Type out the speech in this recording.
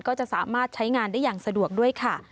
ก็จะสามารถใช้งานได้อย่างสะดวกด้วยค่ะ